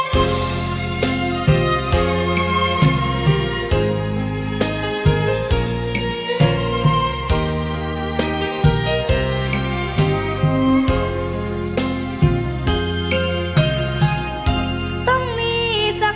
พอเห็นเถอะ